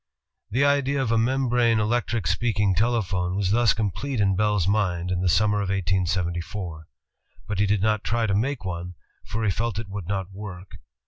The idea of a membrane electric speaking telephone was thus complete in Bell's mind in the summer of 1874. But he did not try to make one, for he felt it would not work.